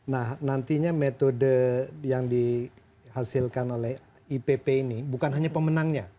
nah nantinya metode yang dihasilkan oleh ipp ini bukan hanya pemenangnya